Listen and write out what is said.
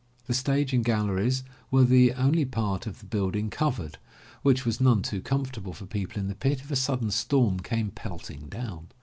The stage and galleries were the only part of the building covered, which was none too comfortable for people in the pit if a sudden storm came pelting down.